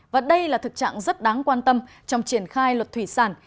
và đây là thực trạng rất đáng quan tâm trong triển khai luật thủy sản